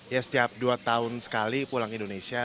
ya setiap dua tahun sekali pulang indonesia